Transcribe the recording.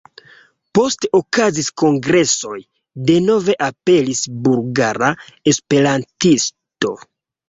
Poste okazis kongresoj, denove aperis Bulgara Esperantisto.